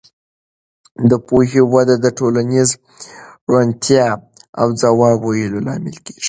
د پوهې وده د ټولنیزې روڼتیا او ځواب ویلو لامل کېږي.